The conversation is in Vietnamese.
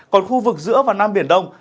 còn khu vực giữa và nam biển đông